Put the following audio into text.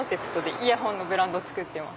イヤホンのブランド作ってます。